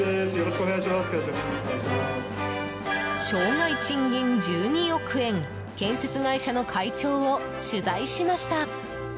生涯賃金１２億円建設会社の会長を取材しました。